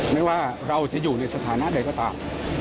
ไม่ว่าเราจะอยู่ในสถานะใดก็ตาม